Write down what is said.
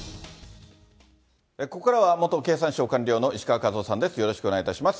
ここからは元経産省官僚の石川和男さんです。